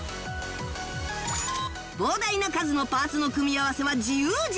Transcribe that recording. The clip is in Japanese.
膨大な数のパーツの組み合わせは自由自在